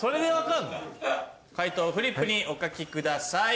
解答をフリップにお書きください。